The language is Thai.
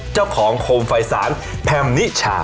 เจ้าของโคมไฟศาลแพมระนิชา